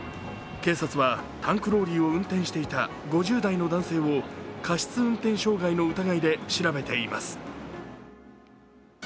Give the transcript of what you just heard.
警察はタンクローリーを運転していた５０代の男性を過失運転傷害の疑いで調べています。